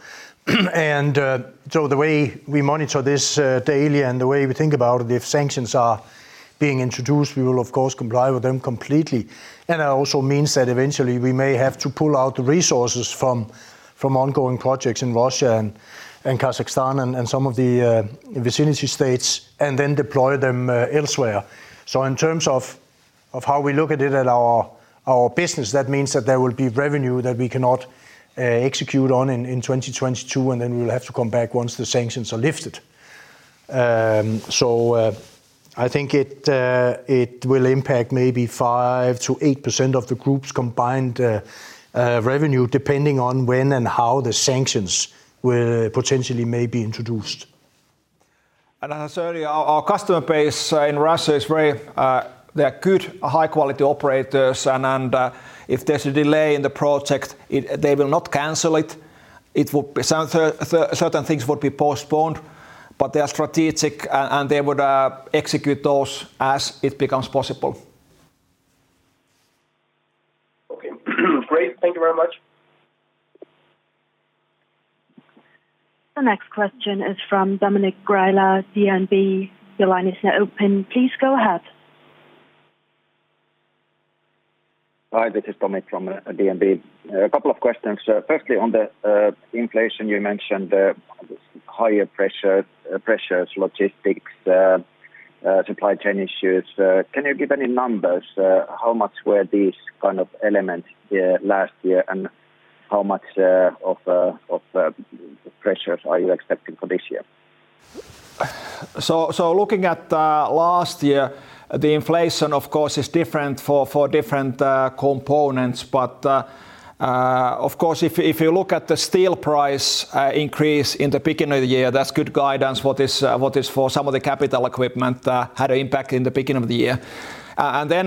The way we monitor this daily and the way we think about if sanctions are being introduced, we will of course comply with them completely. That also means that eventually we may have to pull out resources from ongoing projects in Russia and Kazakhstan and some of the vicinity states, and then deploy them elsewhere. In terms of how we look at it at our business, that means that there will be revenue that we cannot execute on in 2022, and then we'll have to come back once the sanctions are lifted. I think it will impact maybe 5%-8% of the group's combined revenue, depending on when and how the sanctions will potentially may be introduced. As earlier, our customer base in Russia is very, they're good, high quality operators and if there's a delay in the project, they will not cancel it. Certain things will be postponed, but they are strategic and they would execute those as it becomes possible. Okay. Great. Thank you very much. The next question is from Dominik Graulich, DNB. Your line is now open. Please go ahead. Hi, this is Dominik from DNB. A couple of questions. Firstly, on the inflation, you mentioned higher pressures, logistics, supply chain issues. Can you give any numbers, how much were these kind of elements last year, and how much of pressures are you expecting for this year? Looking at last year, the inflation of course is different for different components. Of course, if you look at the steel price increase in the beginning of the year, that's good guidance what is for some of the capital equipment had an impact in the beginning of the year. As the pressure's off from the steel price, it's more the overall inflation driven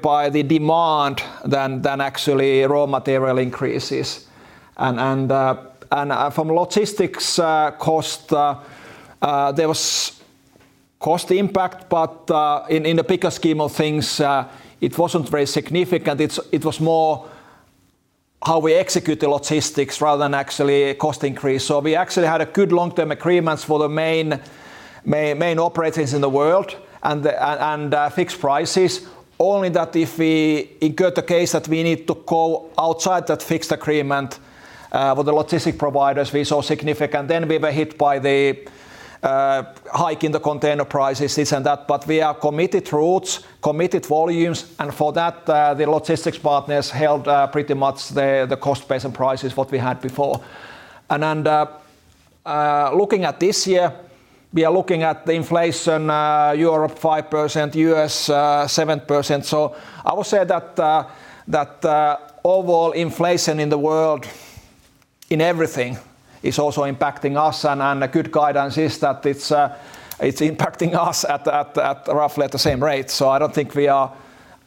by the demand than actually raw material increases. From logistics cost there was cost impact, but in the bigger scheme of things, it wasn't very significant. It was more how we execute the logistics rather than actually cost increase. We actually had good long-term agreements for the main operators in the world and the fixed prices. Only in the case that we need to go outside that fixed agreement with the logistics providers, we saw significant. We were hit by the hike in the container prices, this and that, but we have committed routes, committed volumes, and for that, the logistics partners held pretty much the cost base and prices what we had before. Looking at this year, we are looking at the inflation, Europe 5%, U.S. 7%. I would say that overall inflation in the world in everything is also impacting us and a good guidance is that it's impacting us at roughly the same rate. I don't think we are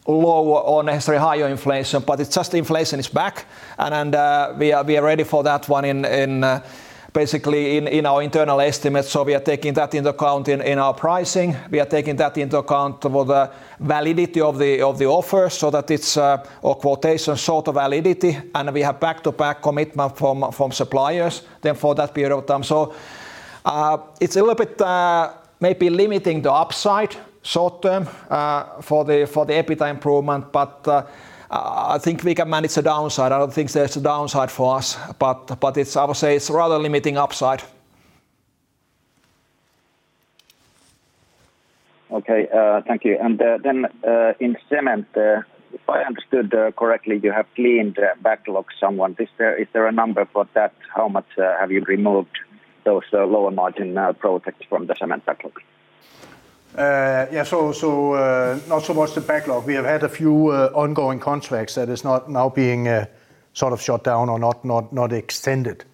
low or necessarily higher inflation, but it's just inflation is back, and we are ready for that one in basically in our internal estimates. We are taking that into account in our pricing. We are taking that into account of all the validity of the offer so that it's or quotation sort of validity, and we have back-to-back commitment from suppliers then for that period of time. It's a little bit maybe limiting the upside short term for the EBITDA improvement. I think we can manage the downside. I don't think there's a downside for us. I would say it's rather limiting upside. Okay, thank you. In cement, if I understood correctly, you have cleaned the backlog somewhat. Is there a number for that? How much have you removed those lower margin projects from the cement backlog? Yeah. Not so much the backlog. We have had a few ongoing contracts that is not now being sort of shut down or not extended.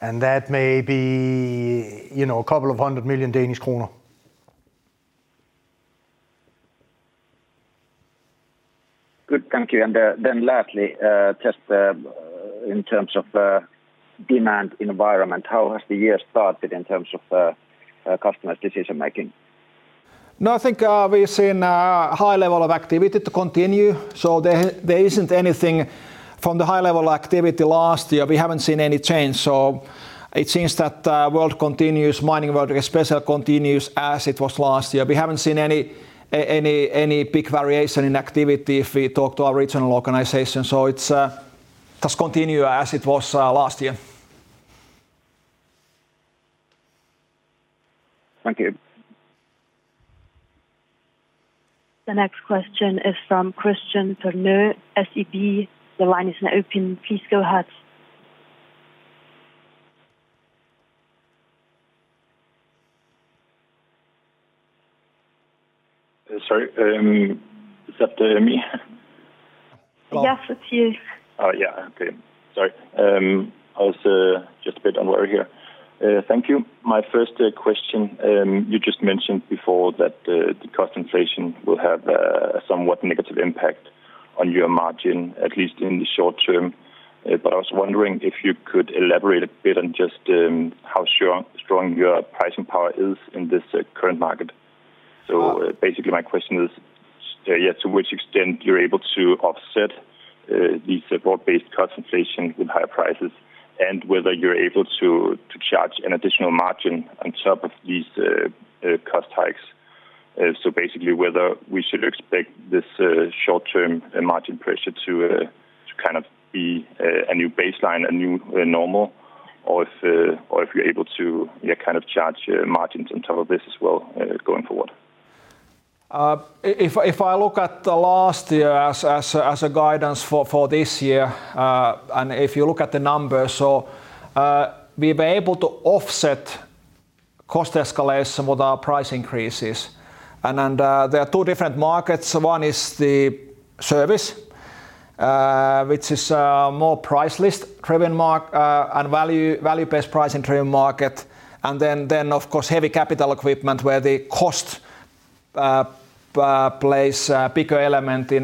That may be, you know, DKK 200 million. Good. Thank you. Then lastly, just in terms of demand environment, how has the year started in terms of customers' decision making? No, I think we've seen high level of activity to continue. There isn't anything from the high level activity last year. We haven't seen any change. It seems that world continues, mining world especially continues as it was last year. We haven't seen any big variation in activity if we talk to our regional organization. It's just continue as it was last year. Thank you. The next question is from Christian, SEB. The line is now open. Please go ahead. Sorry, is that me? Yes, it's you. Oh, yeah. Okay. Sorry. I was just a bit worried here. Thank you. My first question, you just mentioned before that the cost inflation will have a somewhat negative impact on your margin, at least in the short term. I was wondering if you could elaborate a bit on just how strong your pricing power is in this current market. Basically, my question is, to which extent you're able to offset the supply-based cost inflation with higher prices and whether you're able to charge an additional margin on top of these cost hikes. Basically whether we should expect this short-term margin pressure to kind of be a new baseline, a new normal, or if you're able to kind of charge margins on top of this as well going forward? If I look at the last year as a guidance for this year,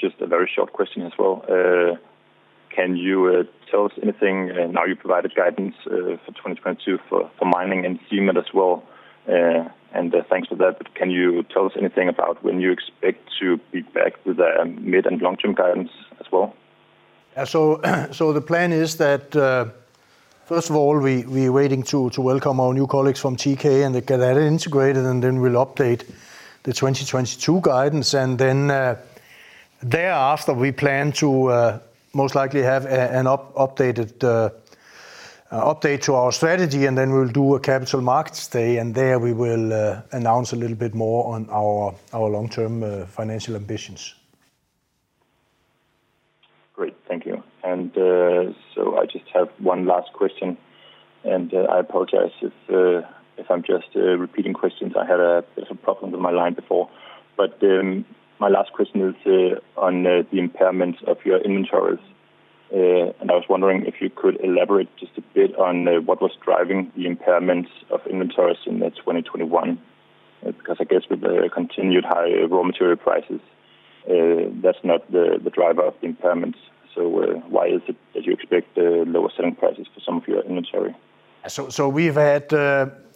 Just a very short question as well. Can you tell us anything? Now you've provided guidance for 2022 for Mining and Cement as well, and thanks for that. Can you tell us anything about when you expect to be back with the mid- and long-term guidance as well? So the plan is that first of all, we're waiting to welcome our new colleagues from TK and get that integrated, and then we'll update the 2022 guidance. Thereafter, we plan to most likely have an updated update to our strategy, and then we'll do a capital markets day, and there we will announce a little bit more on our long-term financial ambitions. Great. Thank you. I just have one last question, and I apologize if I'm just repeating questions. I had some problems with my line before. My last question is on the impairment of your inventories. I was wondering if you could elaborate just a bit on what was driving the impairments of inventories in 2021. Because I guess with the continued high raw material prices, that's not the driver of the impairments. Why is it that you expect lower selling prices for some of your inventory?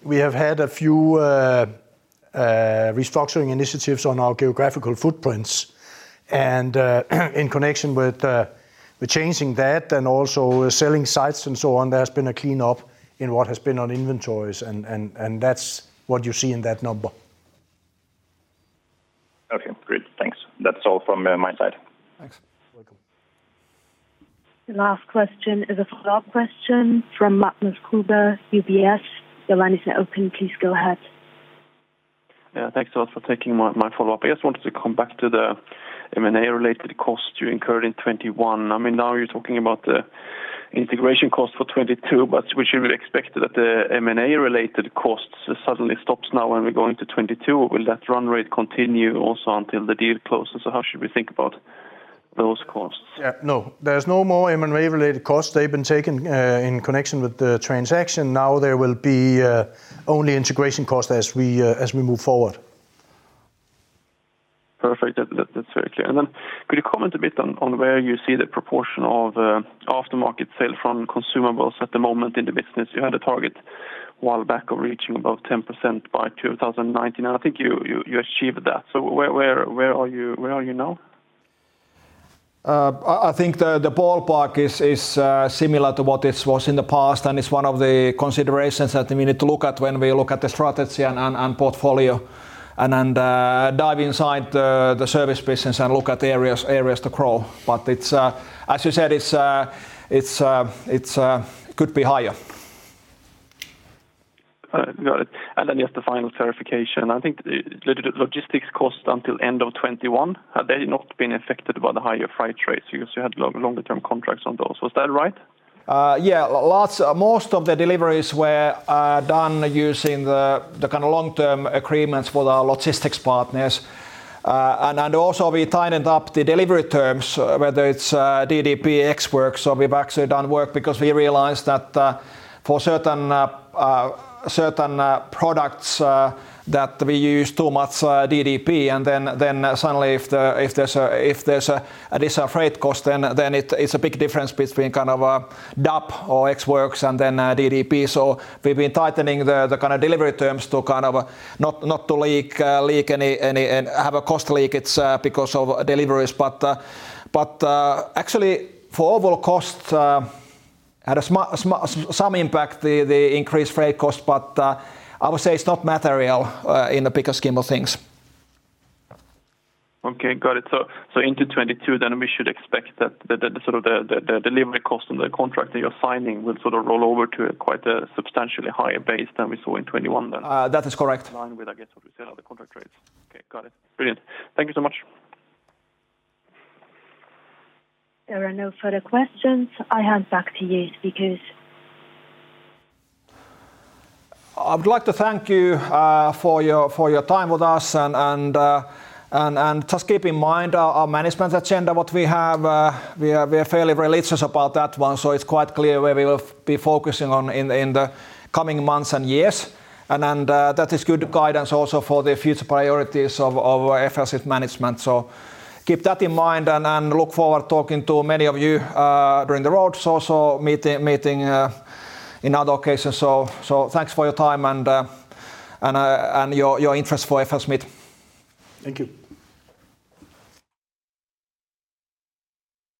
We have had a few restructuring initiatives on our geographical footprints. In connection with the changing that and also selling sites and so on, there's been a clean up in what has been on inventories, and that's what you see in that number. Okay, great. Thanks. That's all from my side. Thanks. You're welcome. The last question is a follow-up question from Magnus Kruber, UBS. The line is now open. Please go ahead. Yeah, thanks a lot for taking my follow-up. I just wanted to come back to the M&A related costs you incurred in 2021. I mean, now you're talking about the integration cost for 2022, but should we expect that the M&A related costs suddenly stops now when we're going to 2022, or will that run rate continue also until the deal closes? How should we think about those costs? Yeah, no, there's no more M&A related costs. They've been taken in connection with the transaction. Now there will be only integration cost as we move forward. Perfect. That's very clear. Could you comment a bit on where you see the proportion of aftermarket sale from consumables at the moment in the business? You had a target a while back of reaching above 10% by 2019, and I think you achieved that. Where are you now? I think the ballpark is similar to what it was in the past, and it's one of the considerations that we need to look at when we look at the strategy and portfolio and dive inside the service business and look at the areas to grow. As you said, it could be higher. Got it. Just a final clarification. I think the logistics cost until end of 2021 had they not been affected by the higher freight rates because you had longer term contracts on those. Was that right? Most of the deliveries were done using the kind of long-term agreements with our logistics partners. We also tightened up the delivery terms, whether it's DDP or Ex Works. We've actually done work because we realized that for certain products that we use too much DDP. Suddenly if there's a freight cost, then it's a big difference between kind of DAP or Ex Works and then DDP. We've been tightening the kind of delivery terms to kind of not to leak any and have a cost leak because of deliveries. Actually, for overall costs, had some impact, the increased freight cost, but I would say it's not material in the bigger scheme of things. Okay. Got it. Into 2022 then we should expect that the sort of delivery cost on the contract that you're signing will sort of roll over to a quite substantially higher base than we saw in 2021 then. That is correct. In line with, I guess, what we said on the contract rates. Okay. Got it. Brilliant. Thank you so much. There are no further questions. I hand back to you, speakers. I would like to thank you for your time with us and just keep in mind our management agenda, what we have. We are fairly religious about that one, so it's quite clear where we will be focusing on in the coming months and years. That is good guidance also for the future priorities of FLSmidth's management. Keep that in mind and look forward talking to many of you during the road shows or meeting in other occasions. Thanks for your time and your interest for FLSmidth. Thank you.